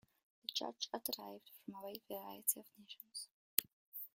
The judge are derived from a wide variety of nations.